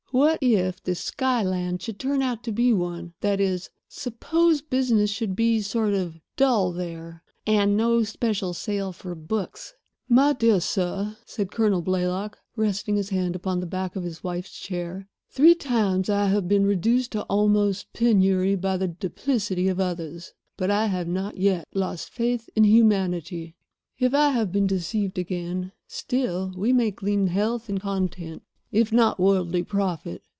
"What if this Skyland should turn out to be one—that is, suppose business should be sort of dull there, and no special sale for books?" "My dear sir," said Colonel Blaylock, resting his hand upon the back of his wife's chair, "three times I have been reduced to almost penury by the duplicity of others, but I have not yet lost faith in humanity. If I have been deceived again, still we may glean health and content, if not worldly profit.